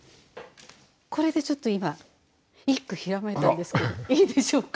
これでちょっと今一句ひらめいたんですけどいいでしょうか？